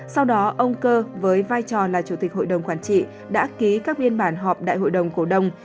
sau đó ông cơ với vai trò là chủ tịch hội đồng quản trị đã ký các biên bản họp đại hội đồng cổ đông